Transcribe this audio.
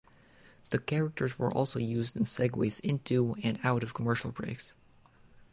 The characters were also used in segues into and out of commercial breaks.